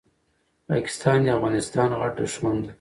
پاکستان دي افغانستان غټ دښمن ده